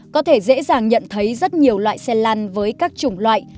có thể dễ dàng nhận thấy rất nhiều loại xe lăn với các chủng loại